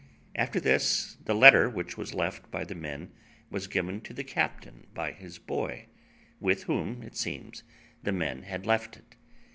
After this, the letter which was left by the men was given to the captain by his boy, with whom, it seems, the men had left it.